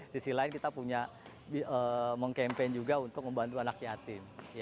di sisi lain kita punya mengkampen juga untuk membantu anak yatim